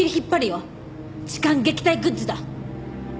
痴漢撃退グッズだ。